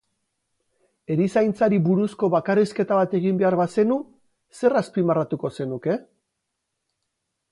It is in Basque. Erizaintzari buruzko bakarrizketa bat egin behar bazenu, zer azpimarratuko zenuke?